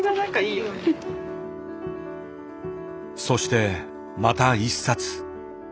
そしてまた一冊。